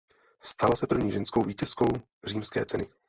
Stala se první ženskou vítězkou Římské ceny.